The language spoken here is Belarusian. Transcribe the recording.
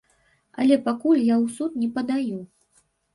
Але пакуль я ў суд не падаю.